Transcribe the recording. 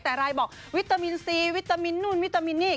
แต่รายบอกวิตามินซีวิตามินนู่นวิตามินนี่